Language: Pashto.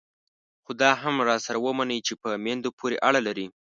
خو دا هم راسره ومنئ چې په میندو پورې اړه لري.